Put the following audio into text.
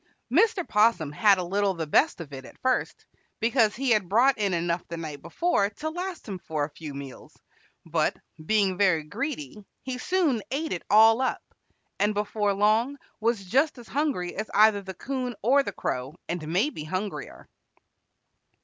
Mr. 'Possum had a little the best of it at first, because he had brought in enough the night before to last him for a few meals, but, being very greedy, he soon ate it all up, and before long was just as hungry as either the 'Coon or the Crow, and maybe hungrier.